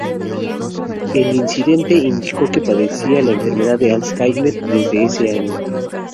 El incidente indicó que padecía la enfermedad de Alzheimer desde ese año.